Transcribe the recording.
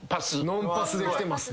ノンパスできてますね。